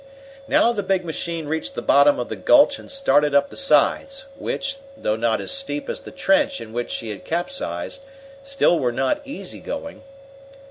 Now the big machine reached the bottom of the gulch and started up the sides, which, though not as steep as the trench in which she had capsized, still were not easy going.